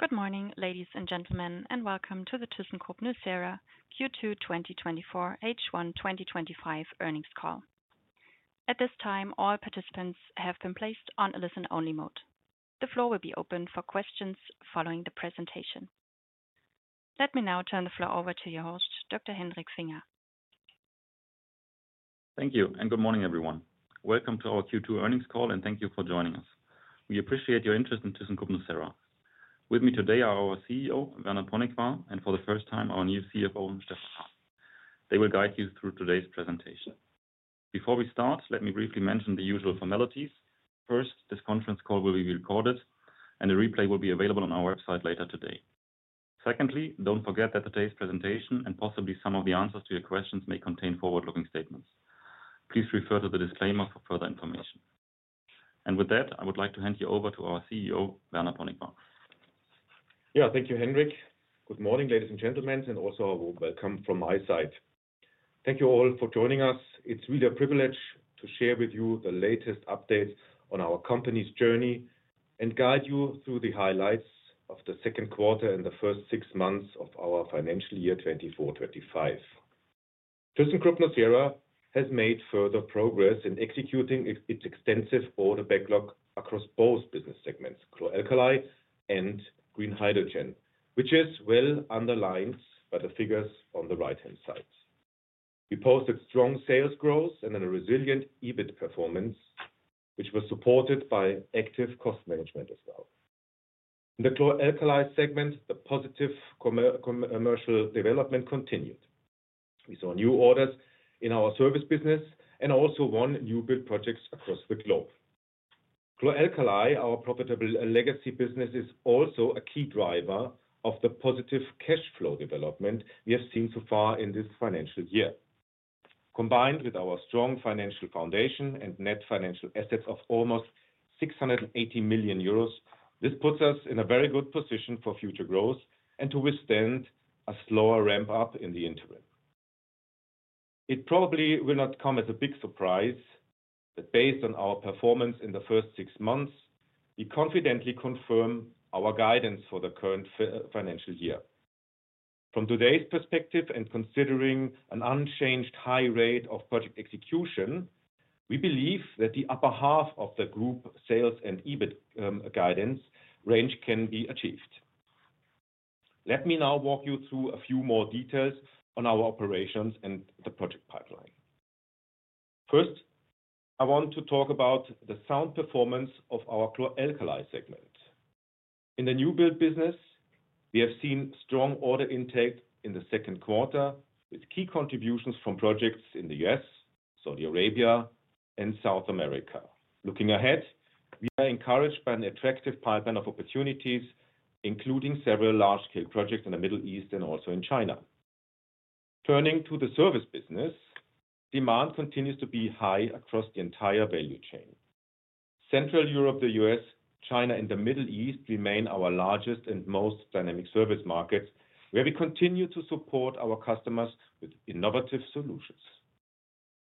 Good morning, ladies and gentlemen, and welcome to the Thyssenkrupp Nucera Q2 2024, H1 2025 Earnings Call. At this time, all participants have been placed on a listen-only mode. The floor will be open for questions following the presentation. Let me now turn the floor over to your host, Dr. Hendrik Finger. Thank you, and good morning, everyone. Welcome to our Q2 earnings call, and thank you for joining us. We appreciate your interest in thyssenkrupp nucera. With me today are our CEO, Werner Ponikwar, and for the first time, our new CFO, Stefan Hahn. They will guide you through today's presentation. Before we start, let me briefly mention the usual formalities. First, this conference call will be recorded, and a replay will be available on our website later today. Secondly, do not forget that today's presentation and possibly some of the answers to your questions may contain forward-looking statements. Please refer to the disclaimer for further information. With that, I would like to hand you over to our CEO, Werner Ponikwar. Yeah, thank you, Hendrik. Good morning, ladies and gentlemen, and also a warm welcome from my side. Thank you all for joining us. It's really a privilege to share with you the latest updates on our company's journey and guide you through the highlights of the second quarter and the first six months of our financial year 2024/2025. Thyssenkrupp nucera has made further progress in executing its extensive order backlog across both business segments, chlor-alkali and green hydrogen, which is well underlined by the figures on the right-hand side. We posted strong sales growth and a resilient EBIT performance, which was supported by active cost management as well. In the chlor-alkali segment, the positive commercial development continued. We saw new orders in our service business and also won new bid projects across the globe. Chlor-alkali, our profitable legacy business, is also a key driver of the positive cash flow development we have seen so far in this financial year. Combined with our strong financial foundation and net financial assets of almost 680 million euros, this puts us in a very good position for future growth and to withstand a slower ramp-up in the interim. It probably will not come as a big surprise that based on our performance in the first six months, we confidently confirm our guidance for the current financial year. From today's perspective and considering an unchanged high rate of project execution, we believe that the upper half of the group sales and EBIT guidance range can be achieved. Let me now walk you through a few more details on our operations and the project pipeline. First, I want to talk about the sound performance of our chlor-alkali segment. In the new bid business, we have seen strong order intake in the second quarter with key contributions from projects in the U.S., Saudi Arabia, and South America. Looking ahead, we are encouraged by an attractive pipeline of opportunities, including several large-scale projects in the Middle East and also in China. Turning to the service business, demand continues to be high across the entire value chain. Central Europe, the U.S., China, and the Middle East remain our largest and most dynamic service markets, where we continue to support our customers with innovative solutions.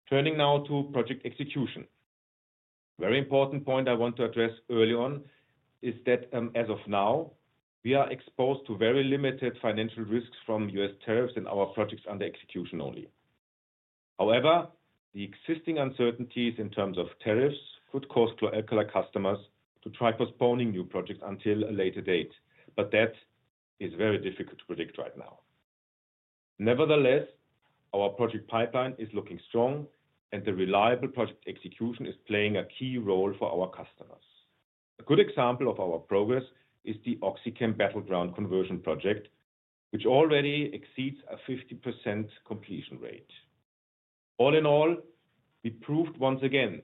Turning now to project execution, a very important point I want to address early on is that as of now, we are exposed to very limited financial risks from U.S. tariffs and our projects under execution only. However, the existing uncertainties in terms of tariffs could cause chlor-alkali customers to try postponing new projects until a later date, but that is very difficult to predict right now. Nevertheless, our project pipeline is looking strong, and the reliable project execution is playing a key role for our customers. A good example of our progress is the OxyChem Battleground conversion project, which already exceeds a 50% completion rate. All in all, we proved once again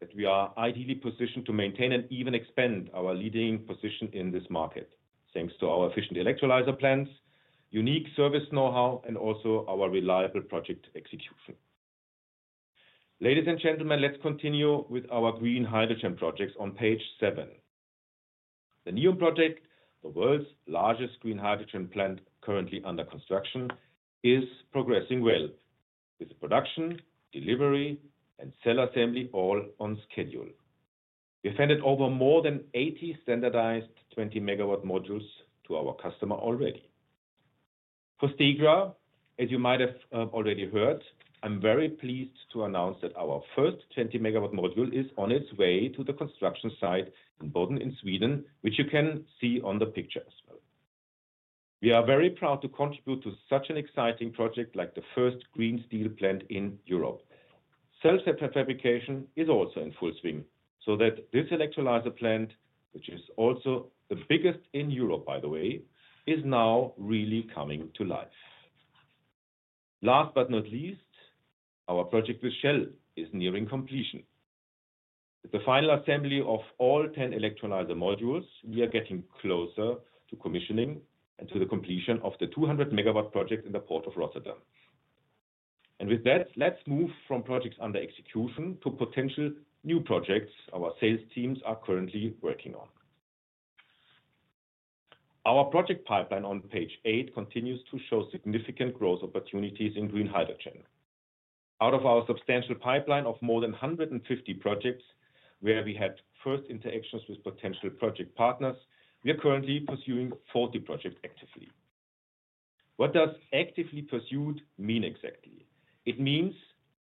that we are ideally positioned to maintain and even expand our leading position in this market, thanks to our efficient electrolyzer plants, unique service know-how, and also our reliable project execution. Ladies and gentlemen, let's continue with our green hydrogen projects on page seven. The NEOM project, the world's largest green hydrogen plant currently under construction, is progressing well with production, delivery, and cell assembly all on schedule. We have handed over more than 80 standardized 20-MW modules to our customer already. For Stigra, as you might have already heard, I'm very pleased to announce that our first 20-MW module is on its way to the construction site in Boden in Sweden, which you can see on the picture as well. We are very proud to contribute to such an exciting project like the first green steel plant in Europe. Cell fabrication is also in full swing, so that this electrolyzer plant, which is also the biggest in Europe, by the way, is now really coming to life. Last but not least, our project with Shell is nearing completion. With the final assembly of all 10 electrolyzer modules, we are getting closer to commissioning and to the completion of the 200-MW project in the Port of Rotterdam. With that, let's move from projects under execution to potential new projects our sales teams are currently working on. Our project pipeline on page eight continues to show significant growth opportunities in green hydrogen. Out of our substantial pipeline of more than 150 projects where we had first interactions with potential project partners, we are currently pursuing 40 projects actively. What does actively pursued mean exactly? It means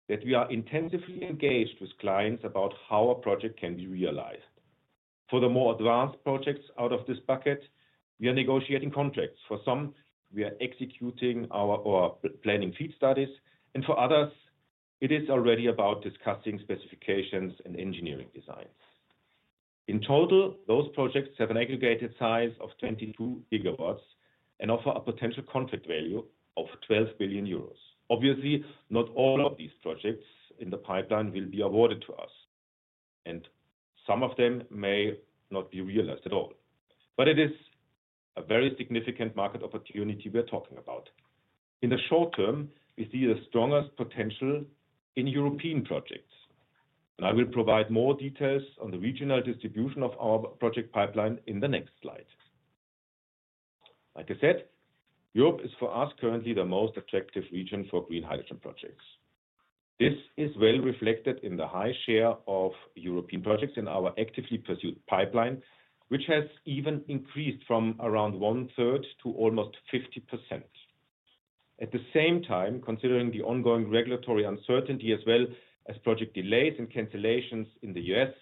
that we are intensively engaged with clients about how a project can be realized. For the more advanced projects out of this bucket, we are negotiating contracts. For some, we are executing our planning feed studies, and for others, it is already about discussing specifications and engineering designs. In total, those projects have an aggregated size of 22 GW and offer a potential contract value of 12 billion euros. Obviously, not all of these projects in the pipeline will be awarded to us, and some of them may not be realized at all. It is a very significant market opportunity we are talking about. In the short term, we see the strongest potential in European projects. I will provide more details on the regional distribution of our project pipeline in the next slide. Like I said, Europe is for us currently the most attractive region for green hydrogen projects. This is well reflected in the high share of European projects in our actively pursued pipeline, which has even increased from around one-third to almost 50%. At the same time, considering the ongoing regulatory uncertainty as well as project delays and cancellations in the U.S.,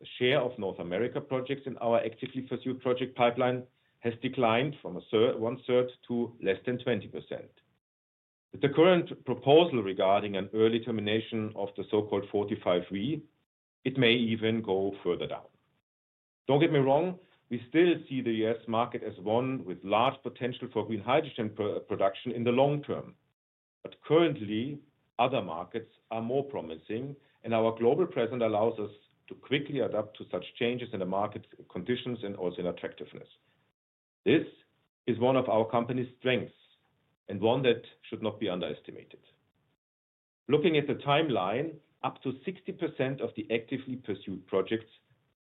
the share of North America projects in our actively pursued project pipeline has declined from one-third to less than 20%. With the current proposal regarding an early termination of the so-called 45V, it may even go further down. Don't get me wrong, we still see the U.S. market as one with large potential for green hydrogen production in the long term. Currently, other markets are more promising, and our global presence allows us to quickly adapt to such changes in the market conditions and also in attractiveness. This is one of our company's strengths and one that should not be underestimated. Looking at the timeline, up to 60% of the actively pursued projects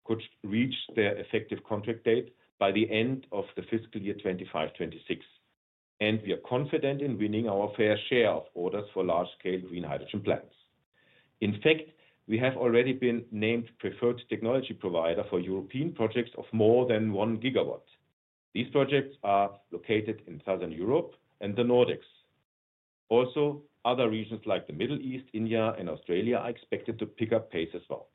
could reach their effective contract date by the end of the fiscal year 2025/2026, and we are confident in winning our fair share of orders for large-scale green hydrogen plants. In fact, we have already been named preferred technology provider for European projects of more than 1 GW. These projects are located in Southern Europe and the Nordics. Also, other regions like the Middle East, India, and Australia are expected to pick up pace as well.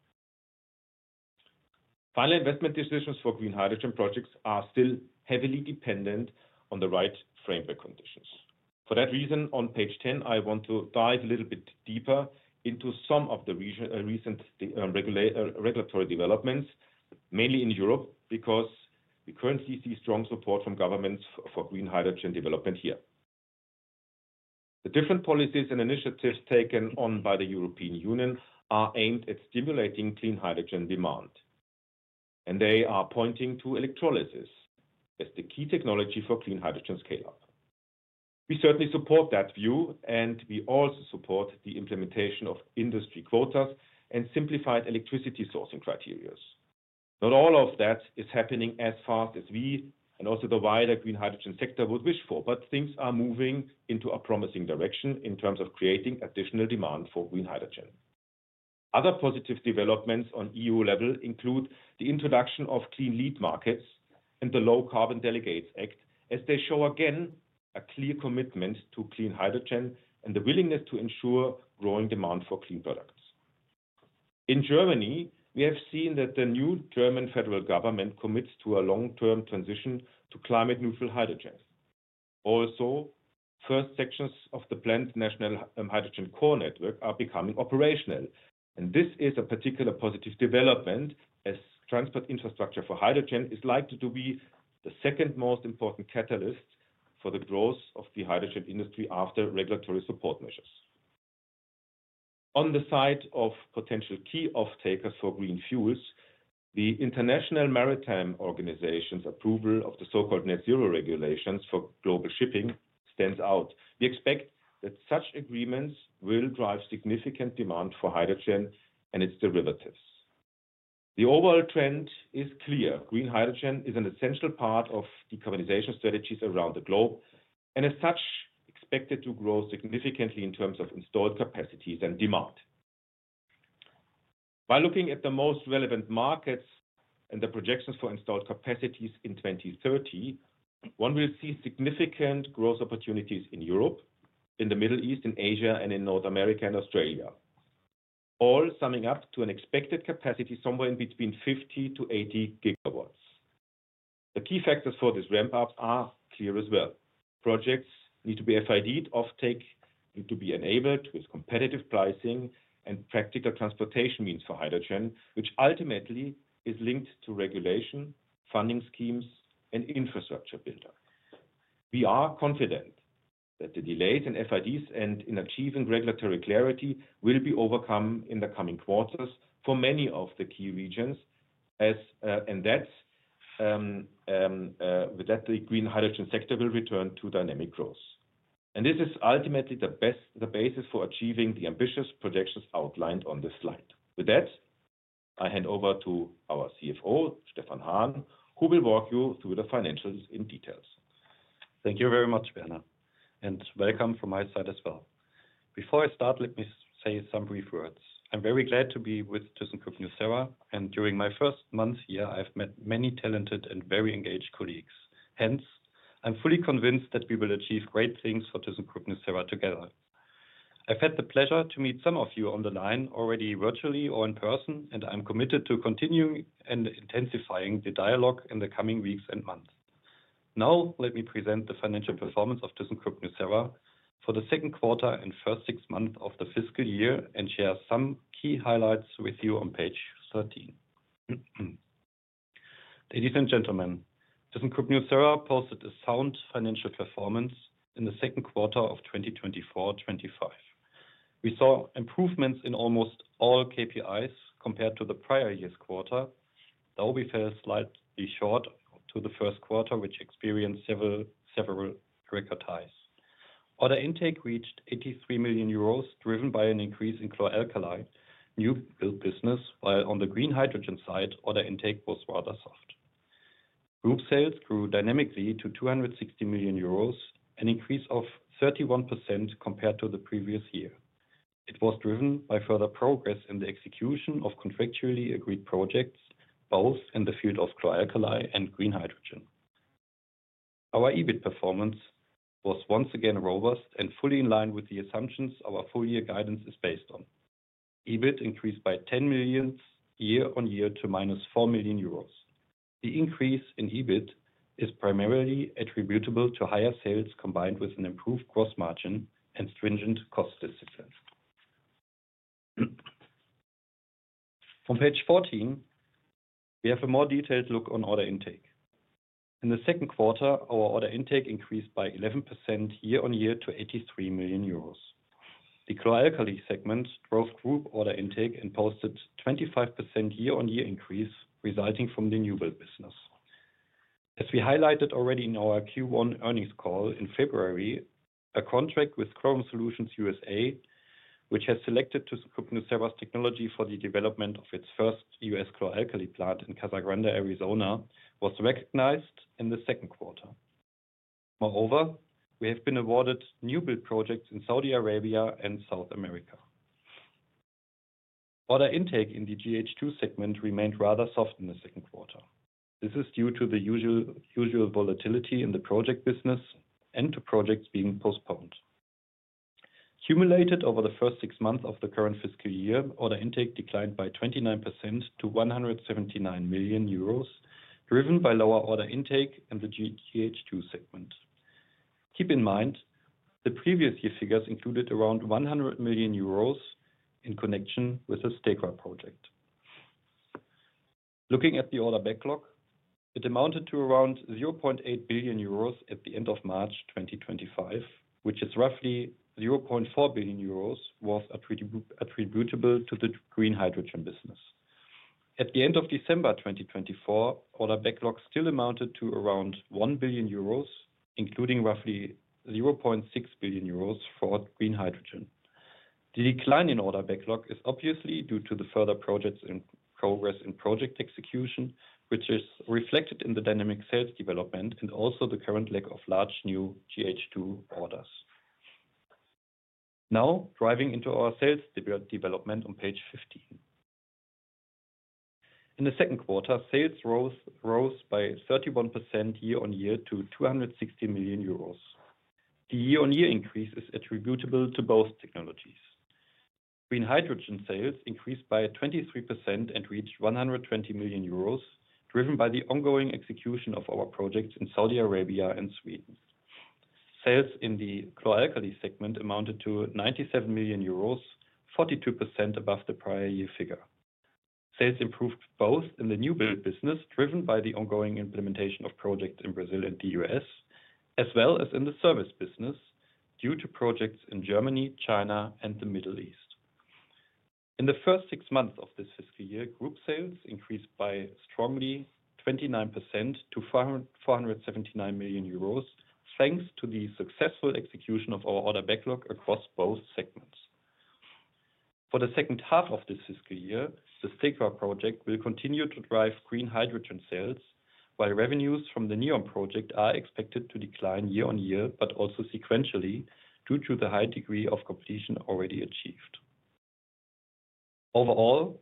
Final investment decisions for green hydrogen projects are still heavily dependent on the right framework conditions. For that reason, on page 10, I want to dive a little bit deeper into some of the recent regulatory developments, mainly in Europe, because we currently see strong support from governments for green hydrogen development here. The different policies and initiatives taken on by the European Union are aimed at stimulating clean hydrogen demand, and they are pointing to electrolysis as the key technology for clean hydrogen scale-up. We certainly support that view, and we also support the implementation of industry quotas and simplified electricity sourcing criteria. Not all of that is happening as fast as we and also the wider green hydrogen sector would wish for, but things are moving into a promising direction in terms of creating additional demand for green hydrogen. Other positive developments on EU level include the introduction of clean lead markets and the Low Carbon Delegates Act, as they show again a clear commitment to clean hydrogen and the willingness to ensure growing demand for clean products. In Germany, we have seen that the new German federal government commits to a long-term transition to climate-neutral hydrogen. Also, first sections of the planned national hydrogen core network are becoming operational, and this is a particular positive development as transport infrastructure for hydrogen is likely to be the second most important catalyst for the growth of the hydrogen industry after regulatory support measures. On the side of potential key off-takers for green fuels, the International Maritime Organization's approval of the so-called net zero regulations for global shipping stands out. We expect that such agreements will drive significant demand for hydrogen and its derivatives. The overall trend is clear. Green hydrogen is an essential part of decarbonization strategies around the globe and, as such, expected to grow significantly in terms of installed capacities and demand. By looking at the most relevant markets and the projections for installed capacities in 2030, one will see significant growth opportunities in Europe, in the Middle East, in Asia, and in North America and Australia, all summing up to an expected capacity somewhere in between 50 GW-80 GW. The key factors for these ramp-ups are clear as well. Projects need to be FIDed, off-takes need to be enabled with competitive pricing and practical transportation means for hydrogen, which ultimately is linked to regulation, funding schemes, and infrastructure buildup. We are confident that the delays in FIDs and in achieving regulatory clarity will be overcome in the coming quarters for many of the key regions, and that the green hydrogen sector will return to dynamic growth. This is ultimately the basis for achieving the ambitious projections outlined on this slide. With that, I hand over to our CFO, Stefan Hahn, who will walk you through the financials in detail. Thank you very much, Werner, and welcome from my side as well. Before I start, let me say some brief words. I'm very glad to be with thyssenkrupp nucera, and during my first month here, I've met many talented and very engaged colleagues. Hence, I'm fully convinced that we will achieve great things for thyssenkrupp nucera together. I've had the pleasure to meet some of you on the line already virtually or in person, and I'm committed to continuing and intensifying the dialogue in the coming weeks and months. Now, let me present the financial performance of thyssenkrupp nucera for the second quarter and first six months of the fiscal year and share some key highlights with you on page 13. Ladies and gentlemen, thyssenkrupp nucera posted a sound financial performance in the second quarter of 2024/2025. We saw improvements in almost all KPIs compared to the prior year's quarter, though we fell slightly short to the first quarter, which experienced several record highs. Order intake reached 83 million euros driven by an increase in chlor-alkali, new bid business, while on the green hydrogen side, order intake was rather soft. Group sales grew dynamically to 260 million euros and an increase of 31% compared to the previous year. It was driven by further progress in the execution of contractually agreed projects, both in the field of chlor-alkali and green hydrogen. Our EBIT performance was once again robust and fully in line with the assumptions our full-year guidance is based on. EBIT increased by 10 million year-on-year to 4 million euros. The increase in EBIT is primarily attributable to higher sales combined with an improved gross margin and stringent cost decisions. On page 14, we have a more detailed look on order intake. In the second quarter, our order intake increased by 11% year-on-year to 83 million euros. The chlor-alkali segment drove group order intake and posted a 25% year-on-year increase resulting from the new bid business. As we highlighted already in our Q1 earnings call in February, a contract with Chrome Solutions USA, which has selected thyssenkrupp nucera's technology for the development of its first U.S. chlor-alkali plant in Casa Grande, Arizona, was recognized in the second quarter. Moreover, we have been awarded new bid projects in Saudi Arabia and South America. Order intake in the GH2 segment remained rather soft in the second quarter. This is due to the usual volatility in the project business and to projects being postponed. Cumulated over the first six months of the current fiscal year, order intake declined by 29% to 179 million euros, driven by lower order intake in the GH2 segment. Keep in mind, the previous year figures included around 100 million euros in connection with the Stigra project. Looking at the order backlog, it amounted to around 0.8 billion euros at the end of March 2025, which is roughly 0.4 billion euros worth attributable to the green hydrogen business. At the end of December 2024, order backlog still amounted to around 1 billion euros, including roughly 0.6 billion euros for green hydrogen. The decline in order backlog is obviously due to the further projects in progress in project execution, which is reflected in the dynamic sales development and also the current lack of large new GH2 orders. Now, driving into our sales development on page 15. In the second quarter, sales rose by 31% year-on-year to 260 million euros. The year-on-year increase is attributable to both technologies. Green hydrogen sales increased by 23% and reached 120 million euros, driven by the ongoing execution of our projects in Saudi Arabia and Sweden. Sales in the chlor-alkali segment amounted to 97 million euros, 42% above the prior year figure. Sales improved both in the new bid business, driven by the ongoing implementation of projects in Brazil and the U.S., as well as in the service business due to projects in Germany, China, and the Middle East. In the first six months of this fiscal year, group sales increased strongly, 29% to 479 million euros, thanks to the successful execution of our order backlog across both segments. For the second half of this fiscal year, the Stigra project will continue to drive green hydrogen sales, while revenues from the NEOM project are expected to decline year-on-year, but also sequentially due to the high degree of completion already achieved. Overall,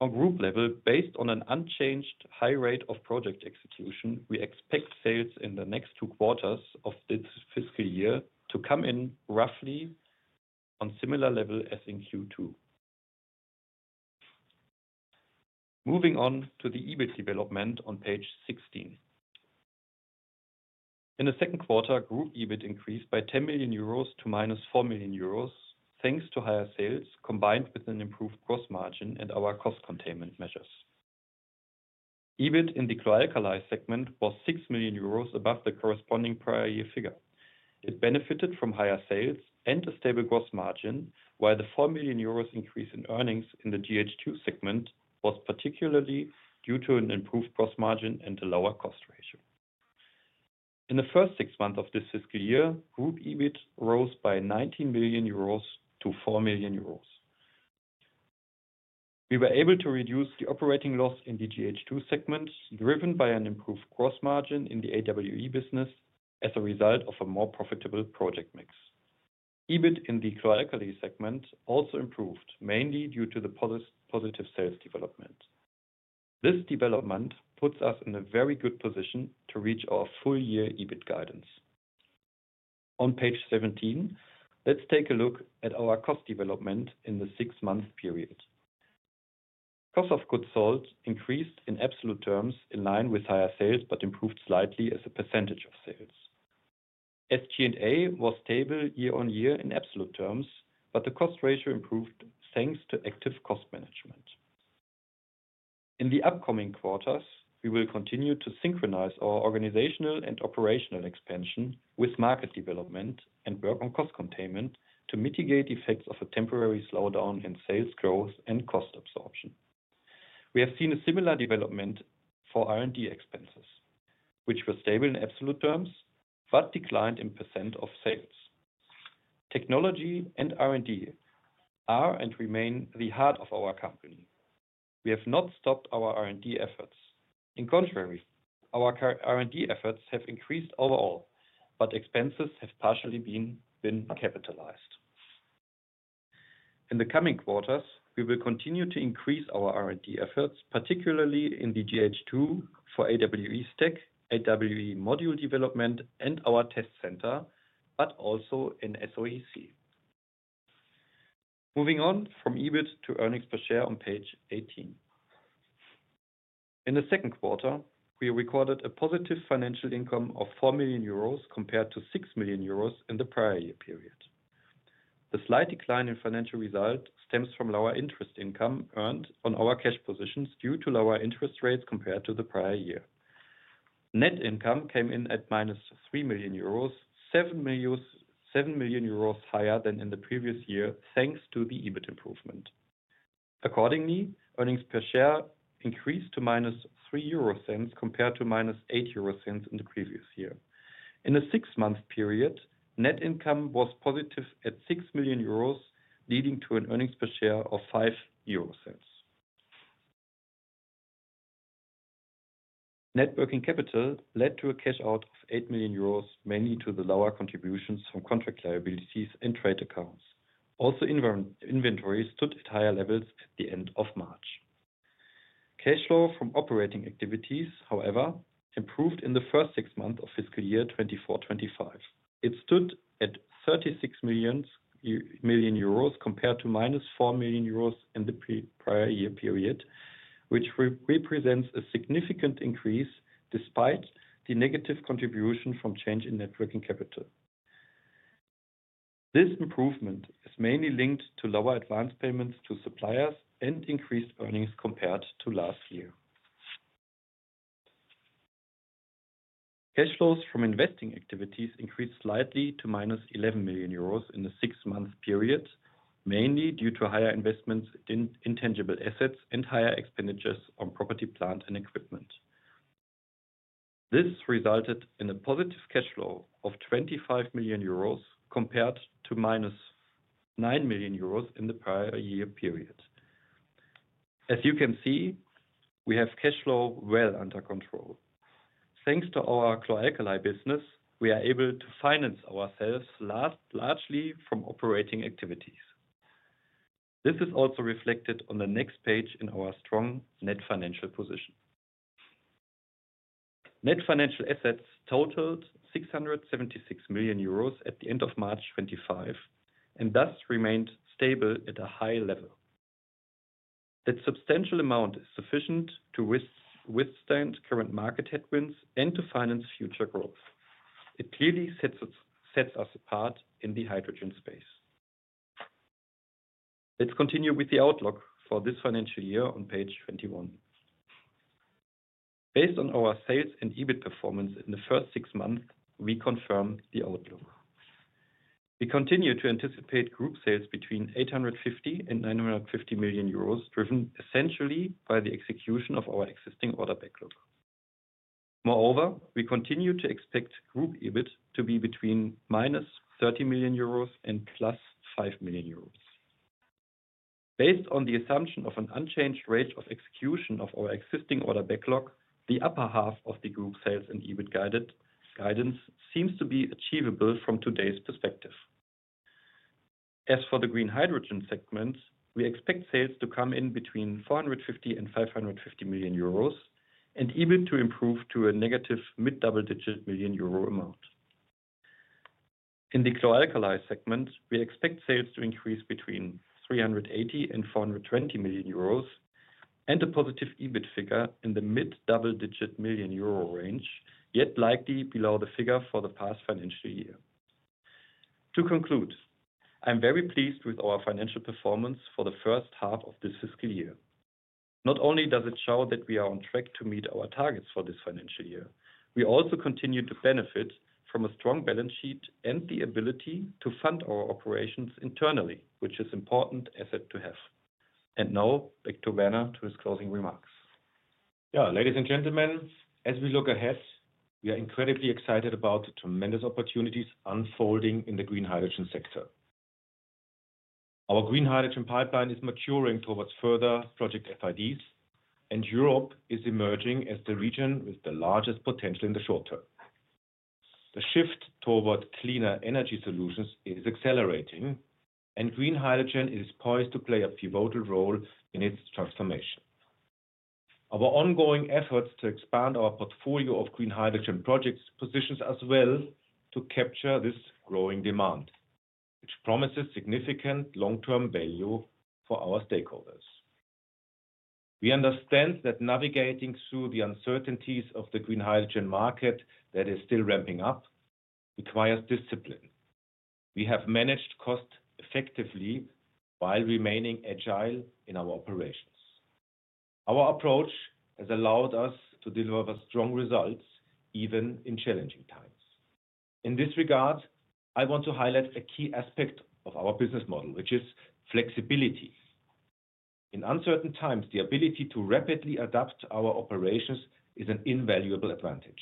on group level, based on an unchanged high rate of project execution, we expect sales in the next two quarters of this fiscal year to come in roughly on a similar level as in Q2. Moving on to the EBIT development on page 16. In the second quarter, group EBIT increased by 10 million euros to 4 million euros, thanks to higher sales combined with an improved gross margin and our cost containment measures. EBIT in the chlor-alkali segment was 6 million euros above the corresponding prior year figure. It benefited from higher sales and a stable gross margin, while the 4 million euros increase in earnings in the GH2 segment was particularly due to an improved gross margin and a lower cost ratio. In the first six months of this fiscal year, group EBIT rose by 19 million euros to 4 million euros. We were able to reduce the operating loss in the GH2 segment, driven by an improved gross margin in the AWE business as a result of a more profitable project mix. EBIT in the chlor-alkali segment also improved, mainly due to the positive sales development. This development puts us in a very good position to reach our full-year EBIT guidance. On page 17, let's take a look at our cost development in the six-month period. Cost of goods sold increased in absolute terms in line with higher sales, but improved slightly as a percentage of sales. SG&A was stable year-on-year in absolute terms, but the cost ratio improved thanks to active cost management. In the upcoming quarters, we will continue to synchronize our organizational and operational expansion with market development and work on cost containment to mitigate effects of a temporary slowdown in sales growth and cost absorption. We have seen a similar development for R&D expenses, which were stable in absolute terms but declined in % of sales. Technology and R&D are and remain the heart of our company. We have not stopped our R&D efforts. In contrary, our R&D efforts have increased overall, but expenses have partially been capitalized. In the coming quarters, we will continue to increase our R&D efforts, particularly in the GH2 for AWE stack, AWE module development, and our test center, but also in SOEC. Moving on from EBIT to earnings per share on page 18. In the second quarter, we recorded a positive financial income of 4 million euros compared to 6 million euros in the prior year period. The slight decline in financial result stems from lower interest income earned on our cash positions due to lower interest rates compared to the prior year. Net income came in at 3 million euros, 7 million euros higher than in the previous year thanks to the EBIT improvement. Accordingly, earnings per share increased to 3 euro compared to 8 euro in the previous year. In the six-month period, net income was positive at 6 million euros, leading to an earnings per share of 5 euro. Networking capital led to a cash out of 8 million euros, mainly to the lower contributions from contract liabilities and trade accounts. Also, inventory stood at higher levels at the end of March. Cash flow from operating activities, however, improved in the first six months of fiscal year 2024/2025. It stood at 36 million euros compared to 4 million euros in the prior year period, which represents a significant increase despite the negative contribution from change in net working capital. This improvement is mainly linked to lower advance payments to suppliers and increased earnings compared to last year. Cash flows from investing activities increased slightly to 11 million euros in the six-month period, mainly due to higher investments in intangible assets and higher expenditures on property, plant, and equipment. This resulted in a positive cash flow of 25 million euros compared to 9 million euros in the prior year period. As you can see, we have cash flow well under control. Thanks to our chlor-alkali business, we are able to finance ourselves largely from operating activities. This is also reflected on the next page in our strong net financial position. Net financial assets totaled 676 million euros at the end of March 25 and thus remained stable at a high level. That substantial amount is sufficient to withstand current market headwinds and to finance future growth. It clearly sets us apart in the hydrogen space. Let's continue with the outlook for this financial year on page 21. Based on our sales and EBIT performance in the first six months, we confirm the outlook. We continue to anticipate group sales between 850 million and 950 million euros, driven essentially by the execution of our existing order backlog. Moreover, we continue to expect group EBIT to be between 30 million euros and 5 million euros. Based on the assumption of an unchanged rate of execution of our existing order backlog, the upper half of the group sales and EBIT guidance seems to be achievable from today's perspective. As for the green hydrogen segment, we expect sales to come in between 450 million and 550 million euros and EBIT to improve to a negative mid-double-digit million euro amount. In the chlor-alkali segment, we expect sales to increase between 380 million and 420 million euros and a positive EBIT figure in the mid-double-digit million euro range, yet likely below the figure for the past financial year. To conclude, I'm very pleased with our financial performance for the first half of this fiscal year. Not only does it show that we are on track to meet our targets for this financial year, we also continue to benefit from a strong balance sheet and the ability to fund our operations internally, which is an important asset to have. Now, back to Werner for his closing remarks. Yeah, ladies and gentlemen, as we look ahead, we are incredibly excited about the tremendous opportunities unfolding in the green hydrogen sector. Our green hydrogen pipeline is maturing towards further project FIDs, and Europe is emerging as the region with the largest potential in the short term. The shift toward cleaner energy solutions is accelerating, and green hydrogen is poised to play a pivotal role in its transformation. Our ongoing efforts to expand our portfolio of green hydrogen projects position us well to capture this growing demand, which promises significant long-term value for our stakeholders. We understand that navigating through the uncertainties of the green hydrogen market that is still ramping up requires discipline. We have managed cost effectively while remaining agile in our operations. Our approach has allowed us to deliver strong results even in challenging times. In this regard, I want to highlight a key aspect of our business model, which is flexibility. In uncertain times, the ability to rapidly adapt our operations is an invaluable advantage.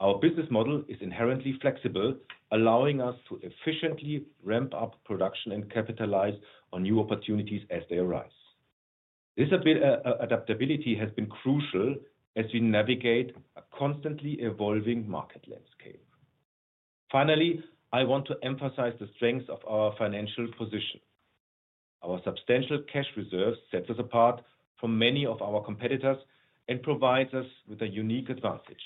Our business model is inherently flexible, allowing us to efficiently ramp up production and capitalize on new opportunities as they arise. This adaptability has been crucial as we navigate a constantly evolving market landscape. Finally, I want to emphasize the strengths of our financial position. Our substantial cash reserves set us apart from many of our competitors and provide us with a unique advantage.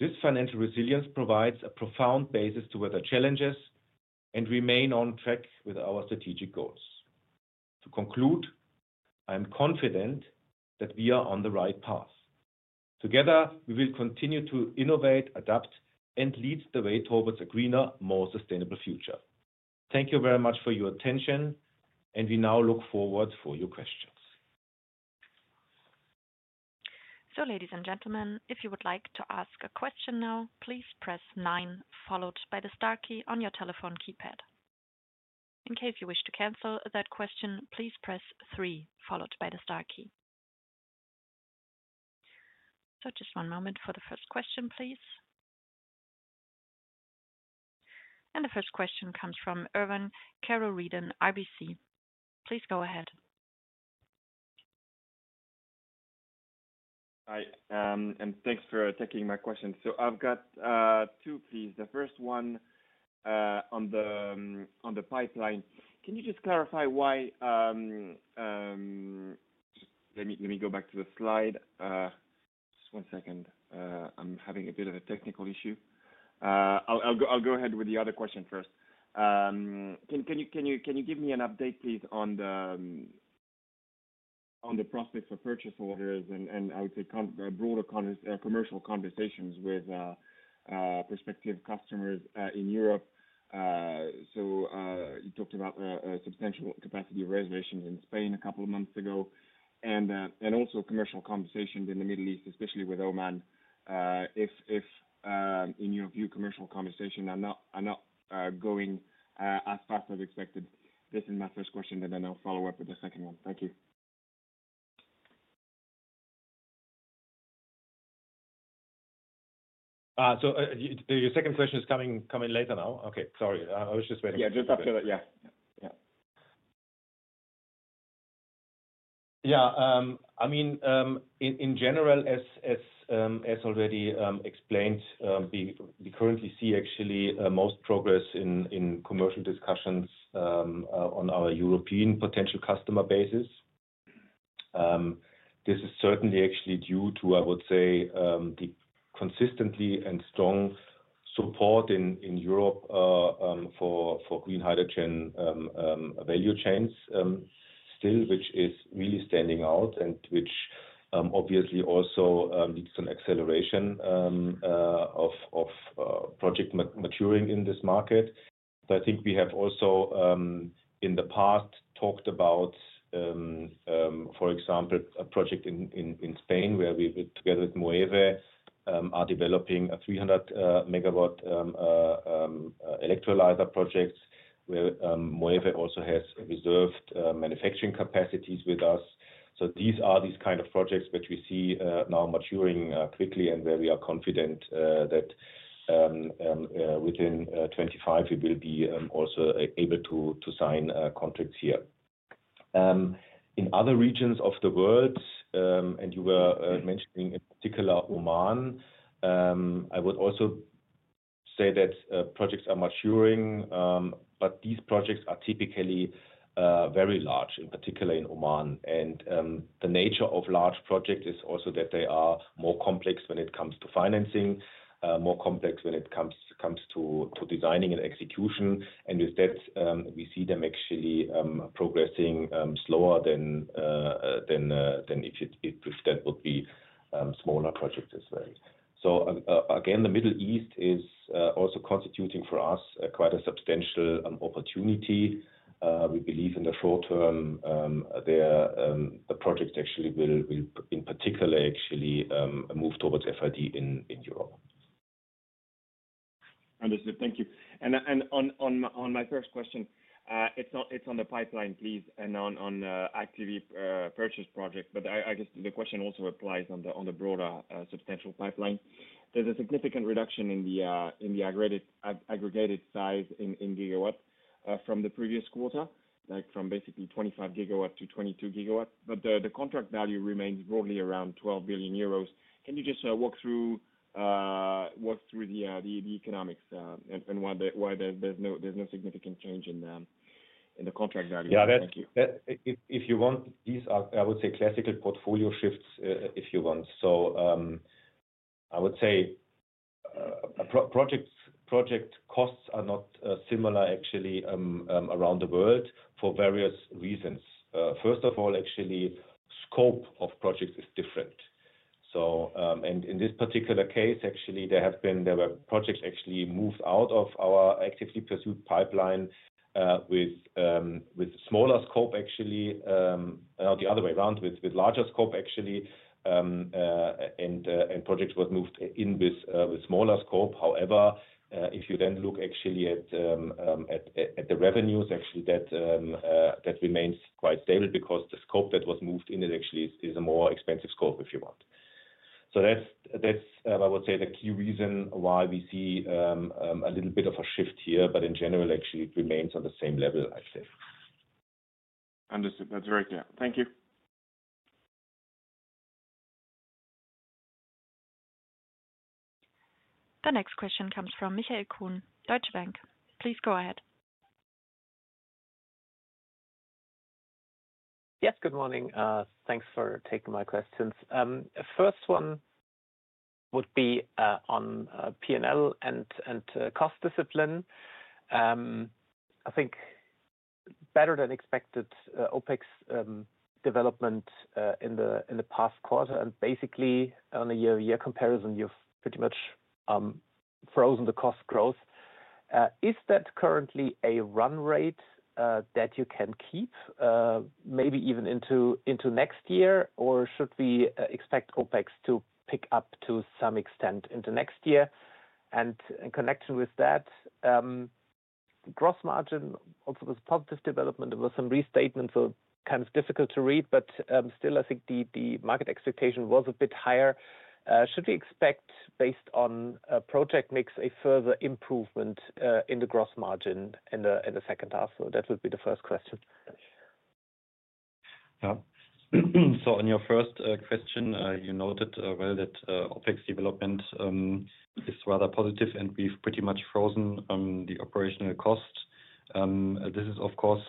This financial resilience provides a profound basis to weather challenges and remain on track with our strategic goals. To conclude, I'm confident that we are on the right path. Together, we will continue to innovate, adapt, and lead the way towards a greener, more sustainable future. Thank you very much for your attention, and we now look forward to your questions. Ladies and gentlemen, if you would like to ask a question now, please press nine, followed by the star key on your telephone keypad. In case you wish to cancel that question, please press three, followed by the star key. Just one moment for the first question, please. The first question comes from Erwin Carol Reeden, IBC. Please go ahead. Hi, and thanks for taking my question. I've got two, please. The first one on the pipeline. Can you just clarify why let me go back to the slide? Just one second. I'm having a bit of a technical issue. I'll go ahead with the other question first. Can you give me an update, please, on the prospects for purchase orders and, I would say, broader commercial conversations with prospective customers in Europe? You talked about a substantial capacity reservation in Spain a couple of months ago and also commercial conversations in the Middle East, especially with Oman. If, in your view, commercial conversations are not going as fast as expected, this is my first question, and then I'll follow up with the second one. Thank you. Your second question is coming later now? Okay, sorry. I was just waiting. Yeah, just after that. Yeah, yeah. I mean, in general, as already explained, we currently see actually most progress in commercial discussions on our European potential customer basis. This is certainly actually due to, I would say, the consistently and strong support in Europe for green hydrogen value chains still, which is really standing out and which obviously also leads to an acceleration of project maturing in this market. I think we have also, in the past, talked about, for example, a project in Spain where we, together with Moeve, are developing a 300-MW electrolyzer project where Moeve also has reserved manufacturing capacities with us. These are these kind of projects which we see now maturing quickly and where we are confident that within 2025, we will be also able to sign contracts here. In other regions of the world, and you were mentioning in particular Oman, I would also say that projects are maturing, but these projects are typically very large, in particular in Oman. The nature of large projects is also that they are more complex when it comes to financing, more complex when it comes to designing and execution. With that, we see them actually progressing slower than if that would be smaller projects as well. Again, the Middle East is also constituting for us quite a substantial opportunity. We believe in the short term the projects actually will, in particular, actually move towards FID in Europe. Understood. Thank you. On my first question, it is on the pipeline, please, and on actively purchased projects. I guess the question also applies on the broader substantial pipeline. There is a significant reduction in the aggregated size in gigawatt from the previous quarter, from basically 25 GW-22 GW. The contract value remains roughly around 12 billion euros. Can you just walk through the economics and why there's no significant change in the contract value? Yeah, if you want, these are, I would say, classical portfolio shifts if you want. I would say project costs are not similar actually around the world for various reasons. First of all, actually, the scope of projects is different. In this particular case, actually, there were projects moved out of our actively pursued pipeline with smaller scope, actually, the other way around, with larger scope, and projects were moved in with smaller scope. However, if you then look at the revenues, that remains quite stable because the scope that was moved in is actually a more expensive scope, if you want. That is, I would say, the key reason why we see a little bit of a shift here, but in general, actually, it remains on the same level, I'd say. Understood. That is very clear. Thank you. The next question comes from Michael Kuhn, Deutsche Bank. Please go ahead. Yes, good morning. Thanks for taking my questions. First one would be on P&L and cost discipline. I think better than expected, OpEx development in the past quarter. And basically, on a year-to-year comparison, you have pretty much frozen the cost growth. Is that currently a run rate that you can keep, maybe even into next year, or should we expect OpEx to pick up to some extent into next year? In connection with that, gross margin also was a positive development. There was some restatement, so kind of difficult to read, but still, I think the market expectation was a bit higher. Should we expect, based on project mix, a further improvement in the gross margin in the second half? That would be the first question. On your first question, you noted well that OpEx development is rather positive, and we've pretty much frozen the operational cost. This is, of course,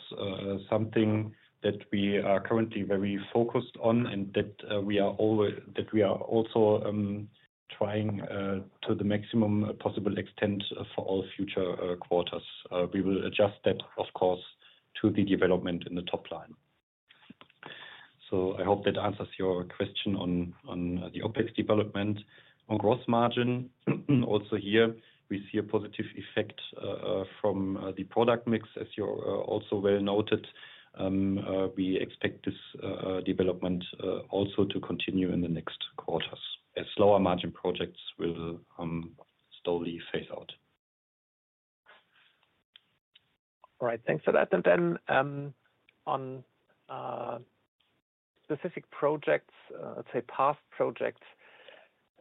something that we are currently very focused on and that we are also trying to the maximum possible extent for all future quarters. We will adjust that, of course, to the development in the top line. I hope that answers your question on the OpEx development. On gross margin, also here, we see a positive effect from the product mix, as you also well noted. We expect this development also to continue in the next quarters, as lower margin projects will slowly phase out. All right. Thanks for that. And then on specific projects, let's say past projects,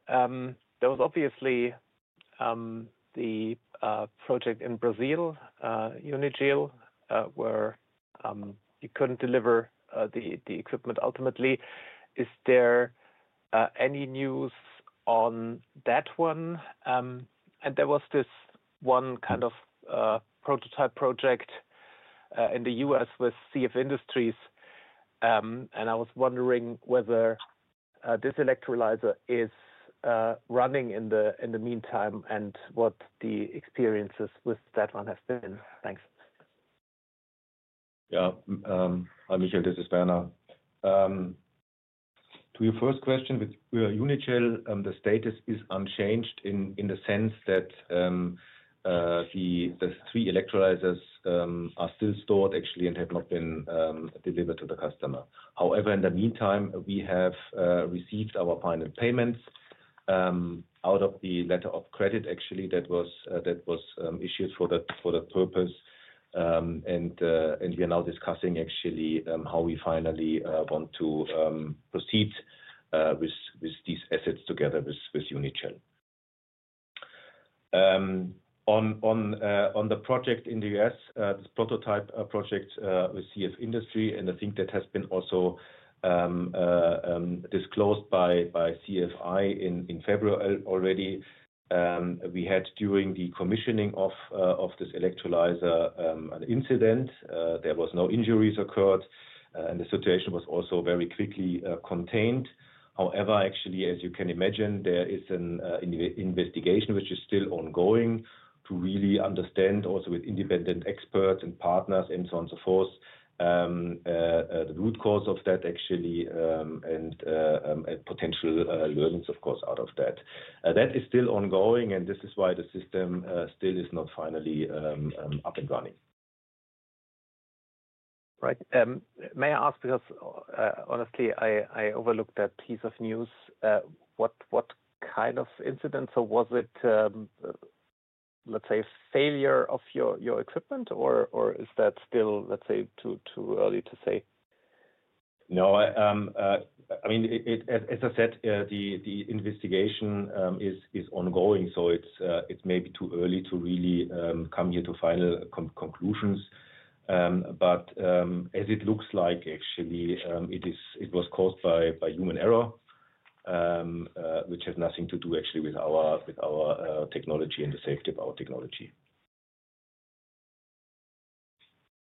there was obviously the project in Brazil, Unigel, where you couldn't deliver the equipment ultimately. Is there any news on that one? And there was this one kind of prototype project in the U.S. with CF Industries. And I was wondering whether this electrolyzer is running in the meantime and what the experiences with that one have been. Thanks. Yeah, hi, Michael, this is Werner. To your first question with Unigel, the status is unchanged in the sense that the three electrolyzers are still stored, actually, and have not been delivered to the customer. However, in the meantime, we have received our final payments out of the letter of credit, actually, that was issued for that purpose. We are now discussing, actually, how we finally want to proceed with these assets together with Unigel. On the project in the U.S., this prototype project with CF Industries, and I think that has been also disclosed by CFI in February already, we had, during the commissioning of this electrolyzer, an incident. There were no injuries occurred, and the situation was also very quickly contained. However, actually, as you can imagine, there is an investigation which is still ongoing to really understand, also with independent experts and partners and so on and so forth, the root cause of that, actually, and potential learnings, of course, out of that. That is still ongoing, and this is why the system still is not finally up and running. Right. May I ask because, honestly, I overlooked that piece of news? What kind of incident? Was it, let's say, failure of your equipment, or is that still, let's say, too early to say? No, I mean, as I said, the investigation is ongoing, so it's maybe too early to really come here to final conclusions. As it looks like, actually, it was caused by human error, which has nothing to do, actually, with our technology and the safety of our technology.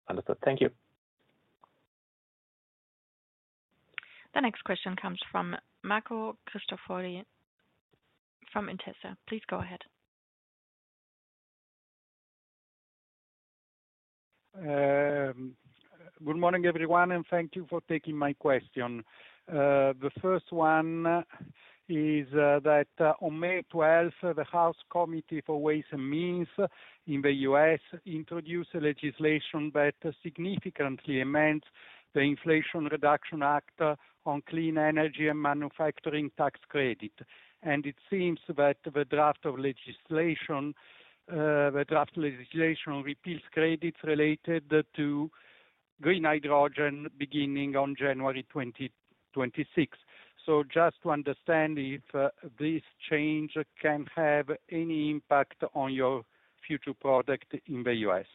Understood. Thank you. The next question comes from Marco Christopher from Intessa. Please go ahead. Good morning, everyone, and thank you for taking my question. The first one is that on May 12, the House Committee for Ways and Means in the U.S. introduced legislation that significantly amends the Inflation Reduction Act on Clean Energy and Manufacturing Tax Credit. It seems that the draft legislation repeals credits related to green hydrogen beginning on January 2026. Just to understand if this change can have any impact on your future product in the U.S.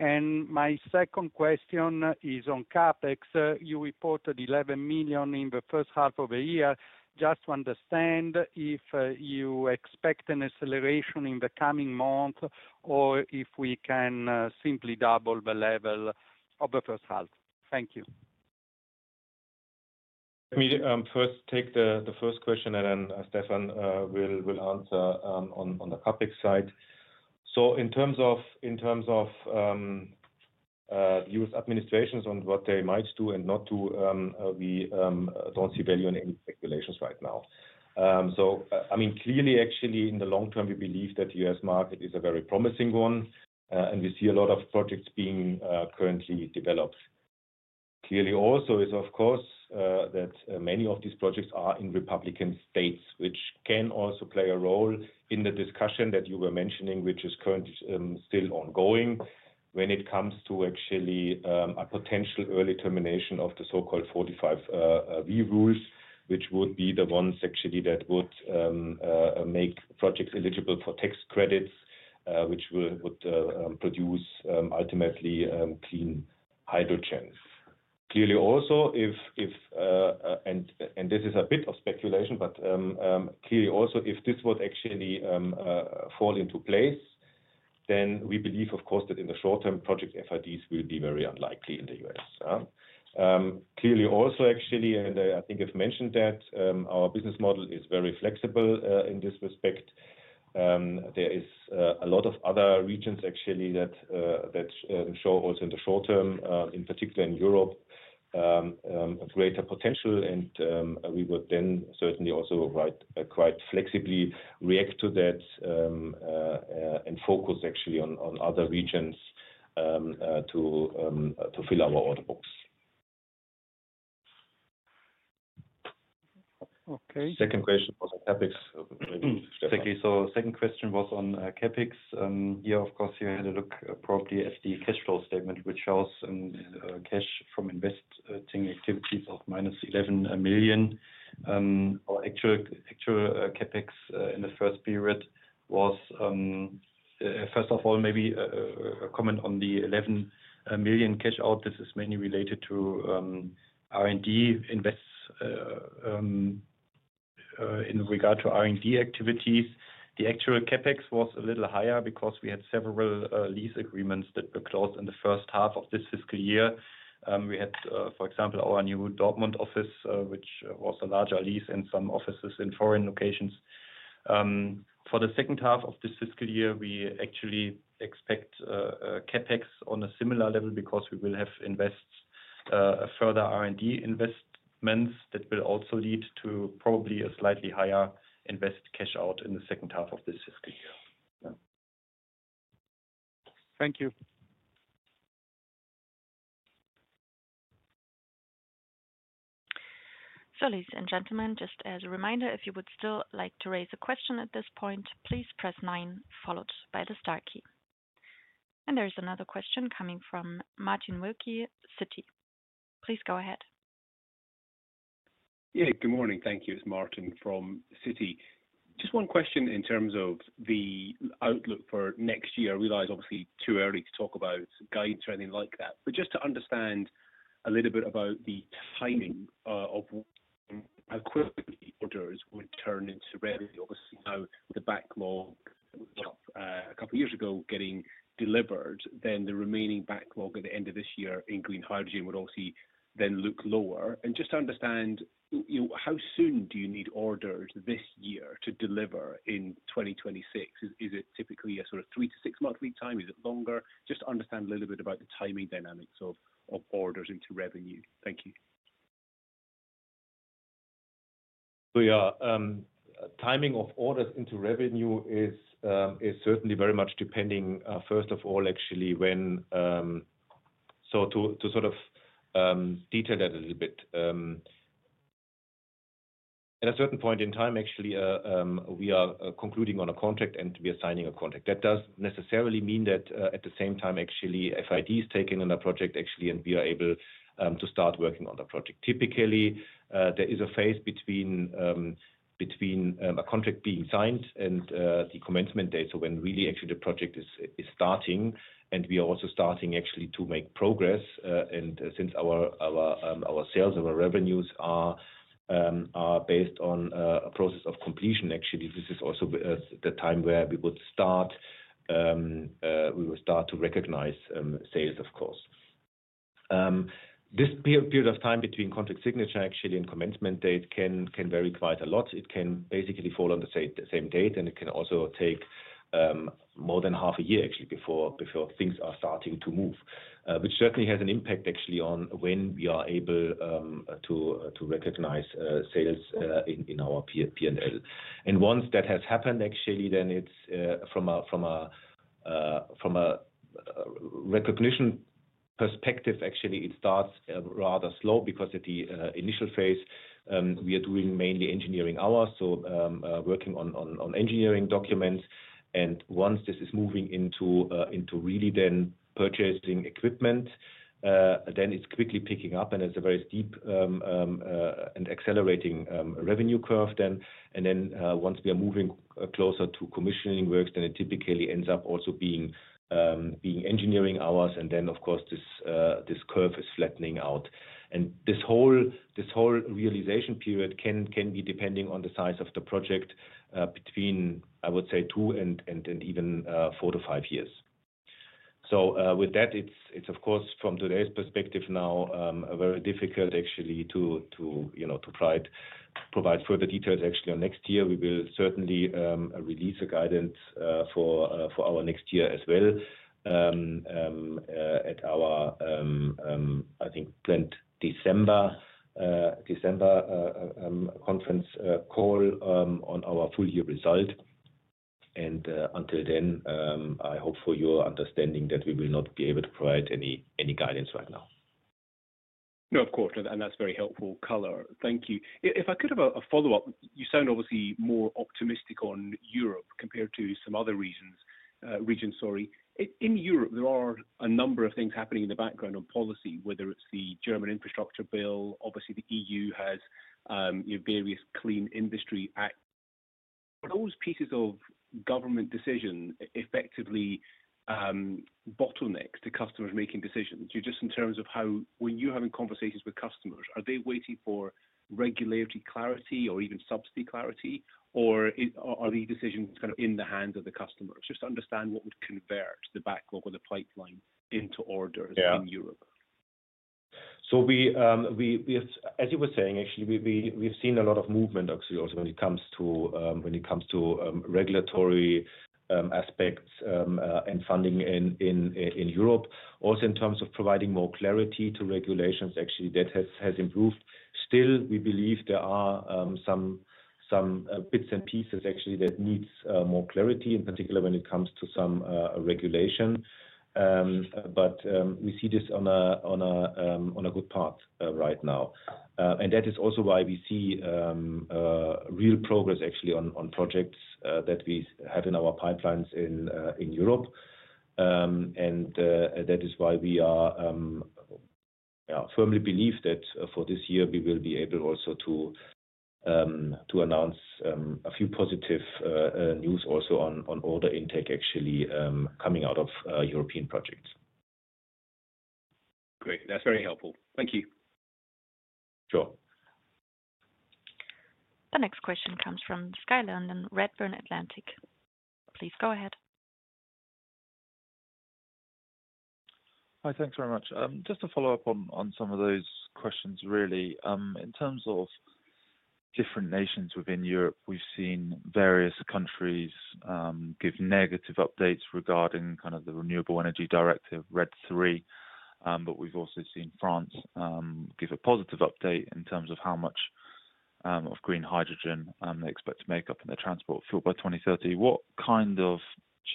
My second question is on CapEx. You reported $11 million in the first half of the year. Just to understand if you expect an acceleration in the coming month or if we can simply double the level of the first half. Thank you. Let me first take the first question that then Stefan will answer on the CapEx side. In terms of the U.S. administrations on what they might do and not do, we do not see value in any speculations right now. I mean, clearly, actually, in the long term, we believe that the U.S. market is a very promising one, and we see a lot of projects being currently developed. Clearly, also is, of course, that many of these projects are in Republican states, which can also play a role in the discussion that you were mentioning, which is currently still ongoing when it comes to actually a potential early termination of the so-called 45V rules, which would be the ones, actually, that would make projects eligible for tax credits, which would produce ultimately clean hydrogen. Clearly, also, if—and this is a bit of speculation—but clearly, also, if this would actually fall into place, then we believe, of course, that in the short term, project FIDs will be very unlikely in the U.S. Clearly, also, actually, and I think I've mentioned that our business model is very flexible in this respect. There are a lot of other regions, actually, that show also in the short term, in particular in Europe, greater potential, and we would then certainly also quite flexibly react to that and focus, actually, on other regions to fill our order books. Okay. Second question was on CapEx. Exactly. Second question was on CapEx. Here, of course, you had a look probably at the cash flow statement, which shows cash from investing activities of minus 11 million. Actual CapEx in the first period was, first of all, maybe a comment on the 11 million cash out. This is mainly related to R&D invests in regard to R&D activities. The actual CapEx was a little higher because we had several lease agreements that were closed in the first half of this fiscal year. We had, for example, our new Dortmund office, which was a larger lease and some offices in foreign locations. For the second half of this fiscal year, we actually expect CapEx on a similar level because we will have further R&D investments that will also lead to probably a slightly higher invest cash out in the second half of this fiscal year. Thank you. Ladies and gentlemen, just as a reminder, if you would still like to raise a question at this point, please press nine, followed by the star key. There is another question coming from Martin Wilkie, Citi. Please go ahead. Yeah, good morning. Thank you. It's Martin from Citi. Just one question in terms of the outlook for next year. I realize obviously too early to talk about guidance or anything like that, but just to understand a little bit about the timing of how quickly orders would turn into revenue. Obviously, now the backlog a couple of years ago getting delivered, then the remaining backlog at the end of this year in green hydrogen would obviously then look lower. Just to understand, how soon do you need orders this year to deliver in 2026? Is it typically a sort of three- to six-month lead time? Is it longer? Just to understand a little bit about the timing dynamics of orders into revenue. Thank you. Yeah, timing of orders into revenue is certainly very much depending, first of all, actually, when—to sort of detail that a little bit. At a certain point in time, actually, we are concluding on a contract, and we are signing a contract. That does not necessarily mean that at the same time, actually, FID is taken on the project, actually, and we are able to start working on the project. Typically, there is a phase between a contract being signed and the commencement date, so when really, actually, the project is starting, and we are also starting, actually, to make progress. Since our sales and our revenues are based on a process of completion, actually, this is also the time where we would start—we would start to recognize sales, of course. This period of time between contract signature, actually, and commencement date can vary quite a lot. It can basically fall on the same date, and it can also take more than half a year, actually, before things are starting to move, which certainly has an impact, actually, on when we are able to recognize sales in our P&L. Once that has happened, actually, then from a recognition perspective, actually, it starts rather slow because at the initial phase, we are doing mainly engineering hours, so working on engineering documents. Once this is moving into really then purchasing equipment, then it is quickly picking up, and it is a very steep and accelerating revenue curve then. Once we are moving closer to commissioning works, then it typically ends up also being engineering hours, and then, of course, this curve is flattening out. This whole realization period can be, depending on the size of the project, between, I would say, two and even four to five years. With that, it is, of course, from today's perspective now, very difficult, actually, to provide further details, actually. Next year, we will certainly release a guidance for our next year as well at our, I think, planned December conference call on our full-year result. Until then, I hope for your understanding that we will not be able to provide any guidance right now. No, of course. That is very helpful color. Thank you. If I could have a follow-up, you sound obviously more optimistic on Europe compared to some other regions, sorry. In Europe, there are a number of things happening in the background on policy, whether it is the German infrastructure bill, obviously, the EU has various clean industry acts. Are those pieces of government decision effectively bottlenecks to customers making decisions? Just in terms of how, when you are having conversations with customers, are they waiting for regulatory clarity or even subsidy clarity, or are these decisions kind of in the hands of the customers? Just to understand what would convert the backlog or the pipeline into orders in Europe. Yeah. As you were saying, actually, we've seen a lot of movement, actually, also when it comes to regulatory aspects and funding in Europe. Also, in terms of providing more clarity to regulations, actually, that has improved. Still, we believe there are some bits and pieces, actually, that need more clarity, in particular when it comes to some regulation. We see this on a good path right now. That is also why we see real progress, actually, on projects that we have in our pipelines in Europe. That is why we firmly believe that for this year, we will be able also to announce a few positive news also on order intake, actually, coming out of European projects. Great. That's very helpful. Thank you. Sure. The next question comes from Skyland and Redburn Atlantic. Please go ahead. Hi. Thanks very much. Just to follow up on some of those questions, really. In terms of different nations within Europe, we've seen various countries give negative updates regarding kind of the Renewable Energy Directive, Red Three. But we've also seen France give a positive update in terms of how much of green hydrogen they expect to make up in their transport fuel by 2030. What kind of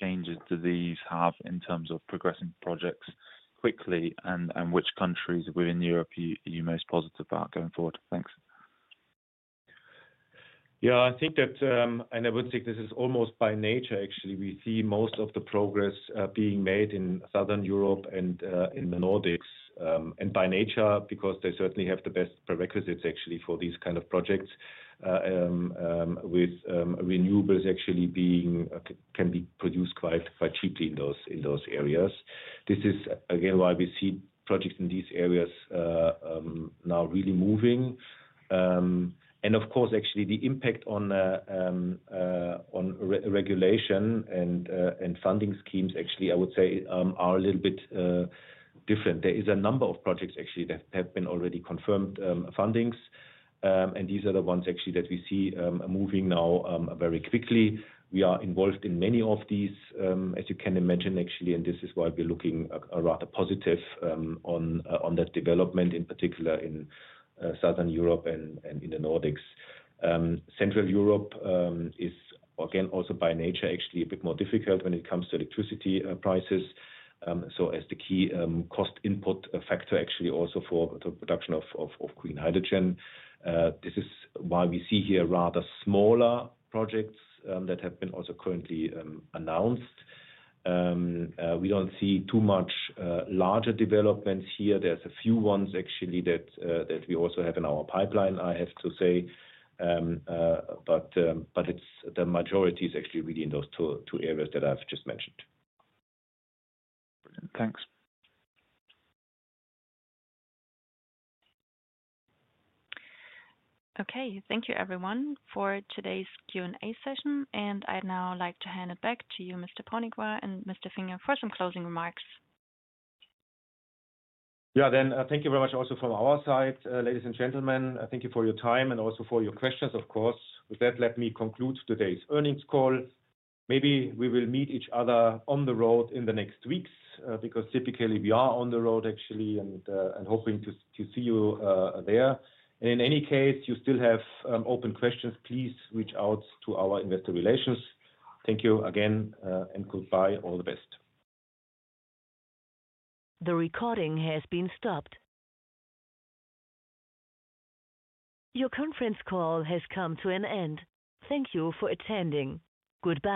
changes do these have in terms of progressing projects quickly, and which countries within Europe are you most positive about going forward? Thanks. Yeah. I think that—and I would say this is almost by nature, actually—we see most of the progress being made in Southern Europe and in the Nordics. By nature, because they certainly have the best prerequisites, actually, for these kind of projects, with renewables actually can be produced quite cheaply in those areas. This is, again, why we see projects in these areas now really moving. Of course, actually, the impact on regulation and funding schemes, actually, I would say, are a little bit different. There is a number of projects, actually, that have been already confirmed fundings. These are the ones, actually, that we see moving now very quickly. We are involved in many of these, as you can imagine, actually, and this is why we're looking rather positive on that development, in particular in Southern Europe and in the Nordics. Central Europe is, again, also by nature, actually, a bit more difficult when it comes to electricity prices. As the key cost input factor, actually, also for the production of green hydrogen, this is why we see here rather smaller projects that have been also currently announced. We do not see too much larger developments here. There are a few ones, actually, that we also have in our pipeline, I have to say. The majority is actually really in those two areas that I have just mentioned. Thanks. Okay. Thank you, everyone, for today's Q&A session. I would now like to hand it back to you, Mr. Ponikwar, and Mr. Finger for some closing remarks. Yeah. Thank you very much also from our side, ladies and gentlemen. Thank you for your time and also for your questions, of course. With that, let me conclude today's earnings call. Maybe we will meet each other on the road in the next weeks because typically, we are on the road, actually, and hoping to see you there. In any case, if you still have open questions, please reach out to our investor relations. Thank you again, and goodbye. All the best. The recording has been stopped. Your conference call has come to an end. Thank you for attending. Goodbye.